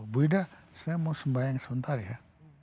bu ida saya mau sembahyang sebentar ya